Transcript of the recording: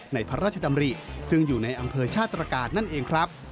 พระราชดำริซึ่งอยู่ในอำเภอชาติตรการนั่นเองครับ